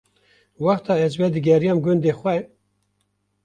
Wexta ez vedigeriyam gundê xwe